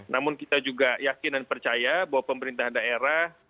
namun kita juga yakin dan percaya bahwa pemerintah daerah